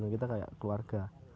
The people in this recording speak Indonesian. kita kayak keluarga